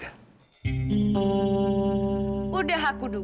aku sudah ber expectasi